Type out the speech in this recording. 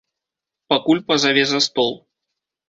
Пакуль пазаве за стол.